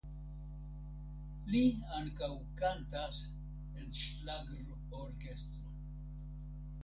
Li ankaŭ kantas en ŝlagrorkestro.